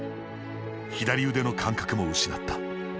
左腕の感覚も失った。